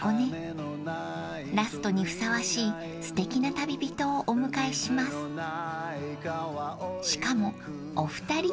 ［ラストにふさわしいすてきな旅人をお迎えします］え！